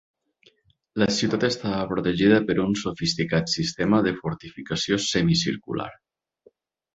La ciutat estava protegida per un sofisticat sistema de fortificació semicircular.